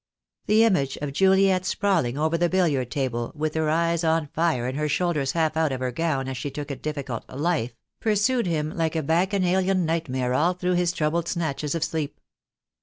The image of Juliet sprawling over the billiard table, with her eyes on fire and her shoulders half out of her gown as she took a difficult "life," pursued him like a bacchana lian nightmare all through his troubled snatches of sleep.